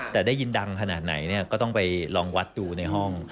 แต่ได้ยินดังขนาดไหนก็ต้องไปลองวัดดูในห้อง